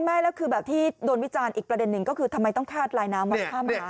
ไม่แล้วคือแบบที่โดนวิจารณ์อีกประเด็นหนึ่งก็คือทำไมต้องคาดลายน้ำวัดข้ามหมา